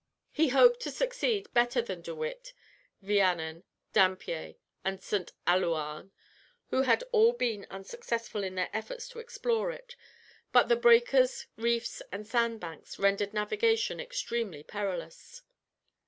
He hoped to succeed better than De Witt, Vianen, Dampier, and St. Allouarn, who had all been unsuccessful in their efforts to explore it; but the breakers, reefs, and sandbanks, rendered navigation extremely perilous.